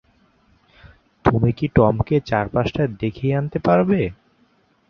তুমি কি টমকে চারপাশটা দেখিয়ে আনতে পারবে?